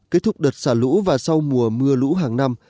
kết thúc đợt xả lũ và sau mùa mưa lũ hàng năm